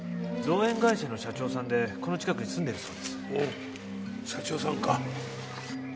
造園会社の社長さんでこの近くに住んでるそうです。